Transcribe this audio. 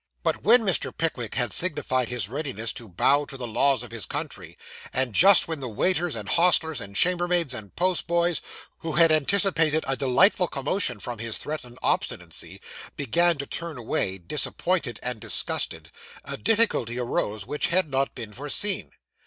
But when Mr. Pickwick had signified his readiness to bow to the laws of his country, and just when the waiters, and hostlers, and chambermaids, and post boys, who had anticipated a delightful commotion from his threatened obstinacy, began to turn away, disappointed and disgusted, a difficulty arose which had not been foreseen.